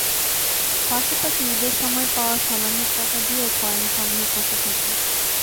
পাশাপাশি ঈদের সময় পাওয়া সালামির টাকা দিয়েও কয়েন সংগ্রহ করতে থাকি।